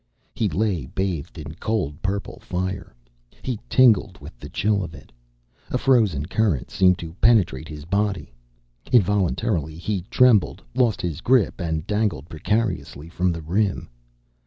He lay bathed in cold purple fire. He tingled with the chill of it. A frozen current seemed to penetrate his body. Involuntarily he trembled, lost his grip and dangled precariously from the rim.